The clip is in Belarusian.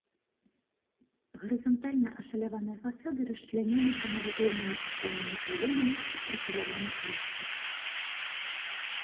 Гарызантальна ашаляваныя фасады расчлянёны прамавугольнымі аконнымі праёмамі ў прафіляваных ліштвах.